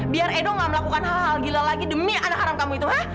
biar edo gak melakukan hal hal gila lagi demi anak haram kamu itu